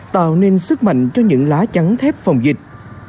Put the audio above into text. nâng nền sức mạnh cho những lá trắng thép phòng dịch